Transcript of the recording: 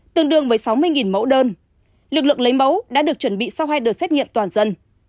tương đương với sáu mươi mẫu đơn lực lượng lấy mẫu đã được chuẩn bị sau hai đợt xét nghiệm toàn dân